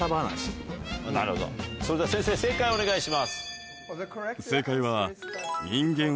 なるほどそれでは先生正解お願いします。